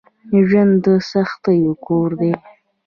ژوند دسختیو کور دی